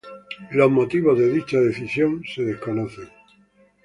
Los motivos de dicha decisión se desconocen.